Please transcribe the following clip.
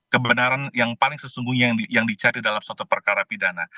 kebenaran yang paling sesungguhnya yang dicari dalam suatu perkara pidana